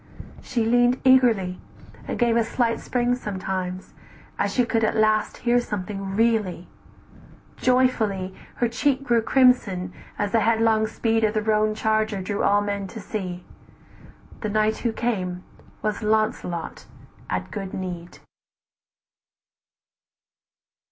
She leaned eagerly, And gave a slight spring sometimes, as she could At last hear something really; joyfully Her cheek grew crimson, as the headlong speed Of the roan charger drew all men to see, The knight who came was Launcelot at good need.